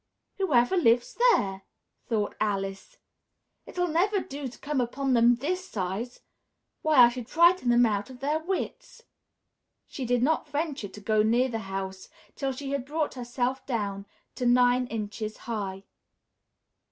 "Whoever lives there," thought Alice, "it'll never do to come upon them this size; why, I should frighten them out of their wits!" She did not venture to go near the house till she had brought herself down to nine inches high.